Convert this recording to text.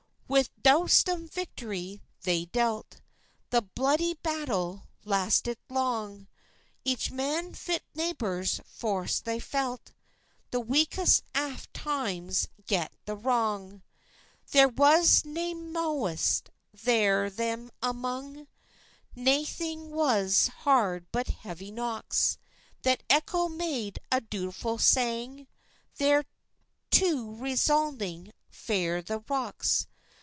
With doutsum victorie they dealt, The bludy battil lastit lang; Each man fits nibours forss thair felt, The weakest aft tymes gat the wrang: Thair was nae mowis thair them amang, Naithing was hard but heavy knocks, That eccho mad a dulefull sang, Thairto resounding frae the rocks.